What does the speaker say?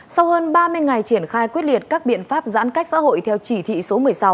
sau hơn ba mươi ngày triển khai quyết liệt các biện pháp giãn cách xã hội theo chỉ thị số một mươi sáu